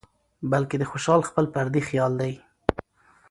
بلکې د خوشال خپل فردي خيال دى